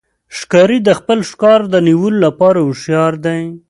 ښکاري د خپل ښکار د نیولو لپاره هوښیار دی.